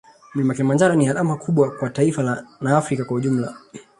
mlima Kilimanjaro ni alama kubwa kwa taifa na afrika kwa ujumla